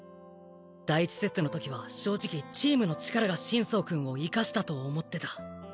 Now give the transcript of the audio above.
第１セットの時は正直チームの力が心操くんを活かしたと思ってた。